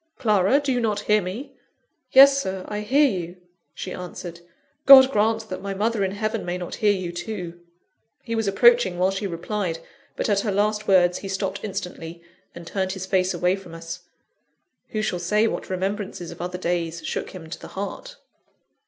Clara, do you not hear me?" "Yes, Sir, I hear you," she answered. "God grant that my mother in heaven may not hear you too!" He was approaching while she replied; but at her last words, he stopped instantly, and turned his face away from us. Who shall say what remembrances of other days shook him to the heart?